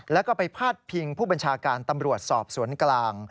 แล้วก็ไปพาดพิงผู้บัญชาการตำรวจสอบสวนกลาง